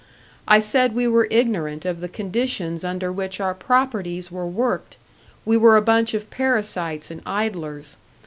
I said we were ignorant of the conditions under which our properties were worked, we were a bunch of parasites and idlers.